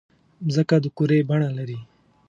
مځکه د کُرې بڼه لري.